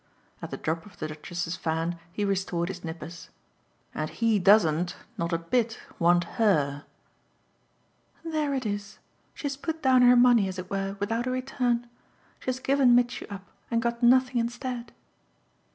At the drop of the Duchess's fan he restored his nippers. "And he doesn't not a bit want HER!" "There it is. She has put down her money, as it were, without a return. She has given Mitchy up and got nothing instead."